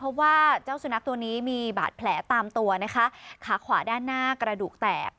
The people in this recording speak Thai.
เพราะว่าเจ้าสุนัขตัวนี้มีบาดแผลตามตัวนะคะขาขวาด้านหน้ากระดูกแตก